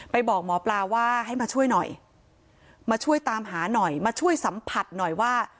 บอกหมอปลาว่าให้มาช่วยหน่อยมาช่วยตามหาหน่อยมาช่วยสัมผัสหน่อยว่า